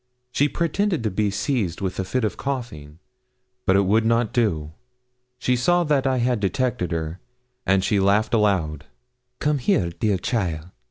She pretended to be seized with a fit of coughing. But it would not do: she saw that I had detected her, and she laughed aloud. 'Come here, dear cheaile.